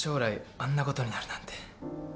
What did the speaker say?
あんなことになるなんて。